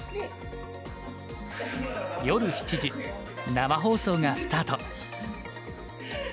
夜７時生放送がスタート。